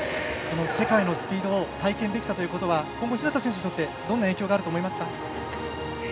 世界のスピードを体験できたということは今後、日向選手にとってどんな影響がありますか。